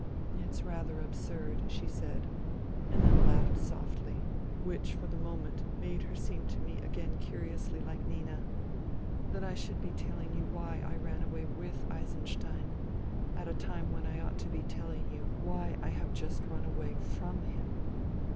" It's rather absurd," she said and then laughed softl}^ which for the moment made her seem to me again curiously like Nina, " that I should be telling you why I ran away with Eisenstein at a time when I ought to be telling you why I have just run away from him.